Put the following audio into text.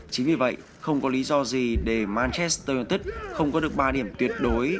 chính vì vậy không có lý do gì để manchester united không có được ba điểm tuyệt đối